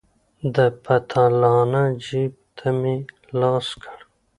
د پتلانه جيب ته مې لاس کړ.